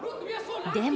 でも。